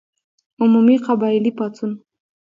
عمومي قبایلي پاڅون.